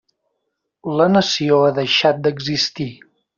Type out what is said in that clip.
La nació ha deixat d'existir.